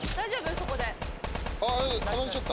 そこで。